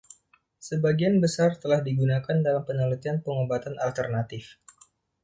Sebagian besar telah digunakan dalam penelitian pengobatan alternatif.